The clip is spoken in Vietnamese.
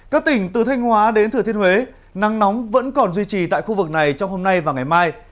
các tỉnh từ thanh hóa đến thừa thiên huế nắng nóng vẫn còn duy trì tại khu vực này trong hôm nay và ngày mai